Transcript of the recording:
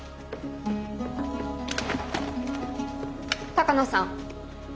鷹野さん。